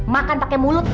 makan pakai mulut